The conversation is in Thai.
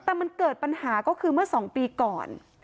แต่มันเกิดปัญหาก็คือเมื่อ๒ปีก่อน